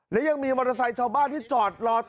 และยังมีมอเตอร์ไซค์ชาวบ้านที่จอดรอ